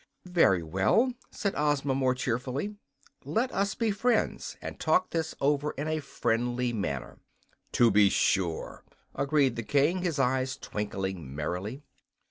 "Very well," said Ozma, more cheerfully. "Let us be friends, and talk this over in a friendly manner." "To be sure," agreed the King, his eyes twinkling merrily.